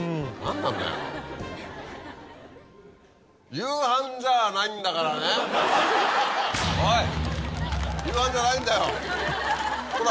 夕飯じゃないんだよこら！